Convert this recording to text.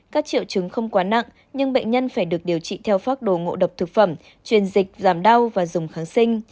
các triệu chứng không quá nặng nhưng bệnh nhân phải được điều trị theo phác đồ ngộ độc thực phẩm truyền dịch giảm đau và dùng kháng sinh